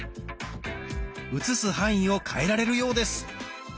写す範囲を変えられるようです。